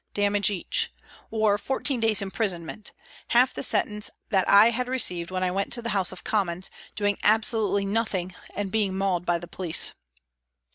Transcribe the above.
damage each, or fourteen days' imprisonment half the sentence that I had received when I went to the House of Commons, doing absolutely nothing and being mauled by the police.